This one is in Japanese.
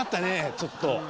ちょっと。